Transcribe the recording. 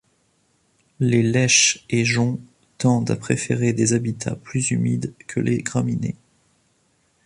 Les laîches et joncs tendent à préférer des habitats plus humides que les graminées.